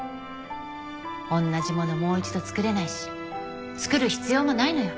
同じものもう一度作れないし作る必要もないのよ。